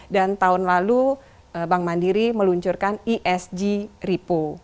dan tahun lalu bank mandiri meluncurkan esg repo